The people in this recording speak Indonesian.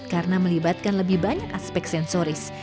karena melibatkan lebih banyak aspek sensoris